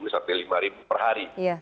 sampai lima per hari